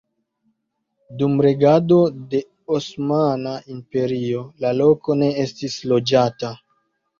Dum regado de Osmana Imperio la loko ne estis loĝata.